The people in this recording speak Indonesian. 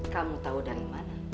kamu tahu dari mana